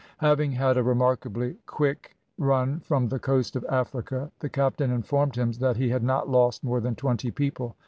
Having had a remarkably quick run from the coast of Africa, the captain informed him that he had not lost more than twenty people.